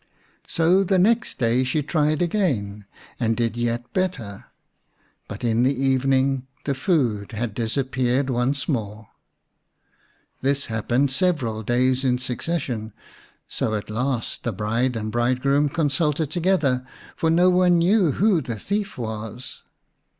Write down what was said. So the next day she tried again, and did yet better. But in the evening the food had dis appeared once more. This happened several days in succession. So at last the bride and bride groom consulted together, for no one knew who the thief was.